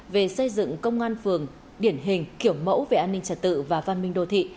về xây dựng công an phường điển hình kiểu mẫu về an ninh trật tự và văn minh đô thị